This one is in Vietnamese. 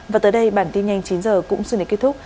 và tới đây bản tin nhanh chín h cũng xin đến kết thúc